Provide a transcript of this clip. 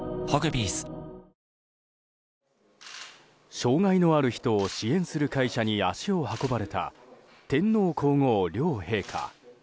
障害のある人を支援する会社に足を運ばれた天皇・皇后両陛下。